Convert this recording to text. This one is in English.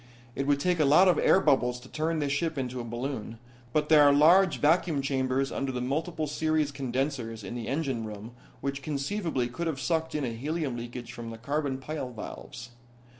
It would take a lot of air bubbles to turn this ship into a balloon, but there are large vacuum chambers under the multiple series condensers in the engine room which conceivably could have sucked in a helium leakage from the carbon pile valves.